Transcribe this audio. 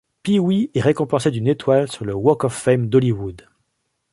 Pee-wee est récompensé d'une étoile sur le Walk of Fame d'Hollywood.